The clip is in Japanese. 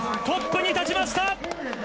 トップに立ちました。